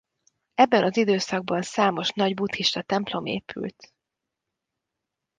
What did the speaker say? Ebben az időszakban számos nagy buddhista templom épült.